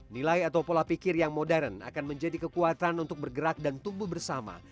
nilai atau pola pikir yang modern akan menjadi kekuatan untuk bergerak dan tumbuh bersama